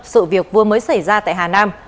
sự việc vừa mới xảy ra tại hà nam